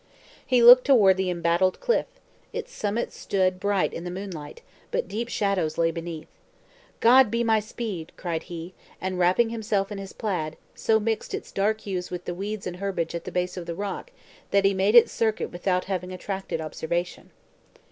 He looked toward the embattled cliff; its summit stood bright in the moonlight, but deep shadows lay beneath. "God be my speed!" cried he, and wrapping himself in his plaid, so mixed its dark hues with the weeds and herbage at the base of the rock, that he made its circuit without having attracted observation.